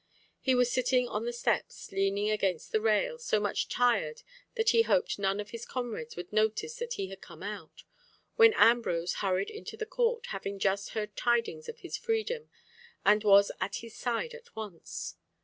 He was sitting on the steps, leaning against the rail, so much tired that he hoped none of his comrades would notice that he had come out, when Ambrose hurried into the court, having just heard tidings of his freedom, and was at his side at once.